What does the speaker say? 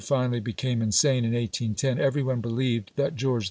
finally became insane, in 1810, every one believed that George IV.